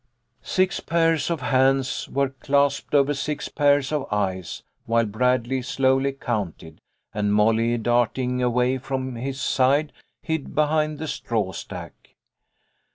Six pairs of hands were clasped over six pairs of eyes, while Bradley slowly counted, and Molly, dart ing away from his side, hid behind the straw stack.